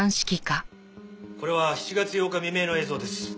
これは７月８日未明の映像です。